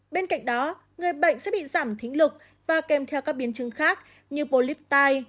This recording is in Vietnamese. bên cạnh đó người bệnh sẽ bị giảm thính lực và kèm theo các biến chứng khác như bolip tai